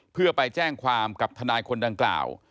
เพื่อไปแจ้งความกับทนายคนดังกล่าว